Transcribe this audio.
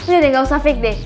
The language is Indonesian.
udah deh gak usah fake deh